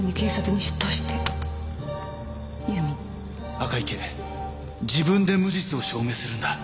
「赤池自分で無実を証明するんだ」